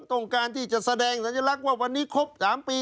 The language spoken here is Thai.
ต้องการที่จะแสดงสัญลักษณ์ว่าวันนี้ครบ๓ปี